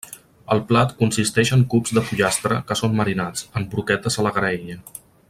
El plat consisteix en cubs de pollastre que són marinats, en broquetes a la graella.